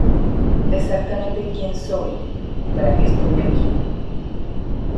Exactamente quién soy y para qué estoy aquí